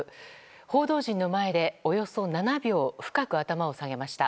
報道陣の前でおよそ７秒深く頭を下げました。